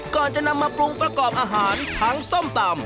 ก่อนจะนำมาปรุงประกอบอาหารทั้งส้มตำ